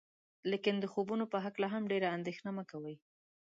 لیکن د خوبونو په هکله هم ډیره اندیښنه مه کوئ.